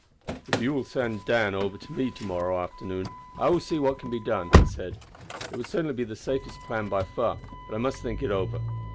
"If you will send Dan over to me to morrow afternoon I will see what can be done," he said. "It would certainly be the safest plan by far; but I must think it over.